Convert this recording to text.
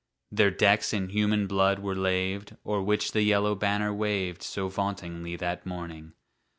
Their decks in human blood were laved, O'er which the yellow banner waved So vauntingly that morning.